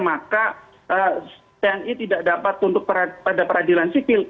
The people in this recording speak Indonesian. maka tni tidak dapat tunduk pada peradilan sipil